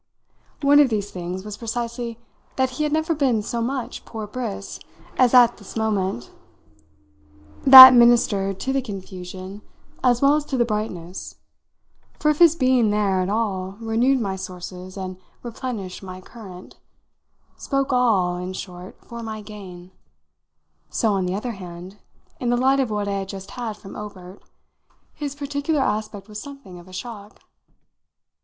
One of these things was precisely that he had never been so much poor Briss as at this moment. That ministered to the confusion as well as to the brightness, for if his being there at all renewed my sources and replenished my current spoke all, in short, for my gain so, on the other hand, in the light of what I had just had from Obert, his particular aspect was something of a shock.